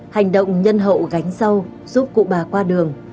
hành động nhân hậu gánh rau giúp cụ bà qua đường